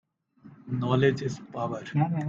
Knowledge is power.